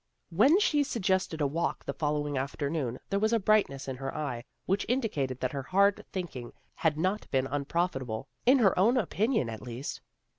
When she suggested a walk the following afternoon there was a brightness in her eye which indicated that her hard thinking had not been unprofitable, hi her own opinion at least.